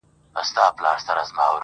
راسه چي دي حسن ته جامي د غزل واغوندم،